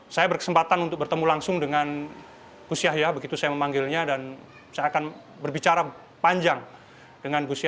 saya berkesempatan untuk bertemu langsung dengan gus yahya begitu saya memanggilnya dan saya akan berbicara panjang dengan gus ya